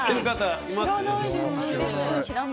知らないですね。